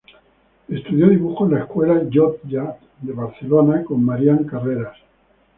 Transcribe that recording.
Estudió dibujo en la Escuela Llotja de Barcelona con Marian Carreras.